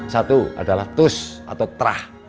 satu adalah tus atau terah